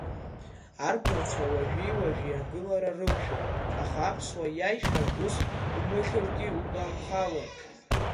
Арԥарцәа уажәи-уажәи агылара рықәшәон, аха аԥсуа иаишәаҿ ус умыхьыргьы, утәанхалон.